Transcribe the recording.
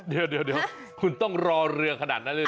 เดี๋ยวคุณต้องรอเรือขนาดนั้นเลยเห